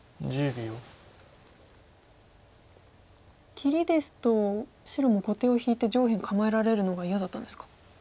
切りですと白も後手を引いて上辺構えられるのが嫌だったんですか。